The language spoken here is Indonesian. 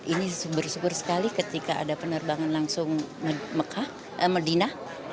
ini bersyukur sekali ketika ada penerbangan langsung medina